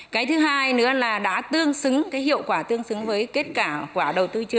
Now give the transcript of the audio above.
cái thứ hai nữa là đã tương xứng cái hiệu quả tương xứng với kết cảng của đầu tư